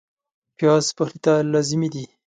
پیاز پخلي ته لازمي دی